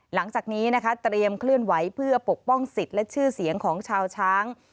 หลังจากนี้นะคะเตรียมเคลื่อนไหวเพื่อปกป้องสิทธิ์และชื่อเสียงของชาวช้าง